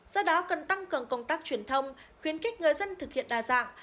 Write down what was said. do đó cần tăng cường công tác truyền thông khuyến khích người dân thực hiện đa dạng